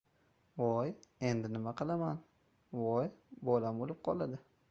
— Voy, endi nima qilaman! Voy, bolam o‘lib qoladi!